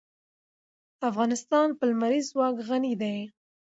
افغانستان په لمریز ځواک غني دی.